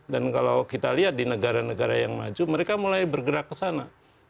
dan kalau kita lihat di negara negara yang maju mereka mulai bergerak ke sana